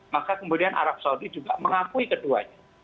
maka kemudian arab saudi juga mengakui keduanya